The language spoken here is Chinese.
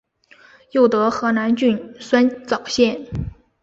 又得河南郡酸枣县。